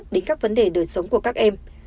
đến các vấn đề đời sống của các em